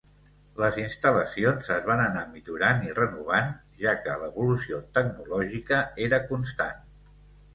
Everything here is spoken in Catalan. Les instal·lacions es van anar millorant i renovant, ja que l’evolució tecnològica era constant.